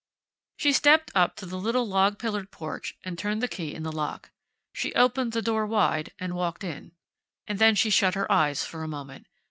She stepped up to the little log pillared porch and turned the key in the lock. She opened the door wide, and walked in. And then she shut her eyes for a moment.